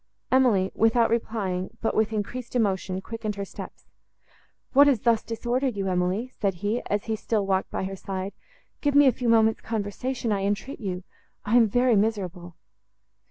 Emily, without replying, but with increased emotion, quickened her steps. "What has thus disordered you, Emily?" said he, as he still walked by her side: "give me a few moments' conversation, I entreat you;—I am very miserable!"